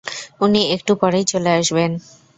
উনি একটু পরেই চলে আসবেন।